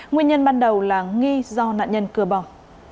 nguyên nhân ban đầu là nghi do nạn nhân cưa bom